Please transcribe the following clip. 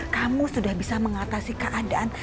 kamu sudah bisa mengatasi keadaan